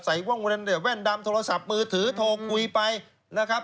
ใส่ว่างเวลาแว่นดำโทรศัพท์มือถือโทรคุยไปนะครับ